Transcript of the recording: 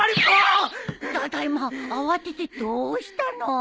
ただいま慌ててどうしたの？